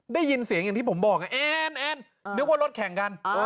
ได้ยินเสียงอย่างที่ผมบอกแอนนึกว่ารถแข่งกัน